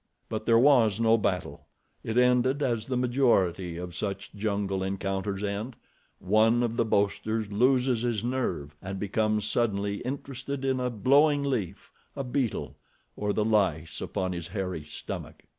But there was no battle. It ended as the majority of such jungle encounters end—one of the boasters loses his nerve, and becomes suddenly interested in a blowing leaf, a beetle, or the lice upon his hairy stomach.